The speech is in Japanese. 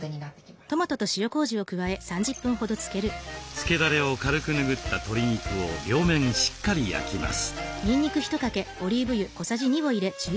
漬けだれを軽くぬぐった鶏肉を両面しっかり焼きます。